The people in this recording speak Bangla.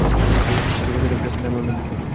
তাকে শেখাতে পেরে আমিও আনন্দিত।